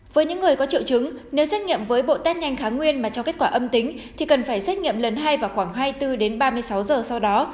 với những người có triệu chứng nếu xét nghiệm với bộ test nhanh kháng nguyên mà cho kết quả âm tính thì cần phải xét nghiệm lần hai vào khoảng hai mươi bốn ba mươi sáu giờ sau đó